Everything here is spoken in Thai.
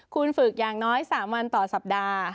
คุณฝึกอย่างน้อย๓วันต่อสัปดาห์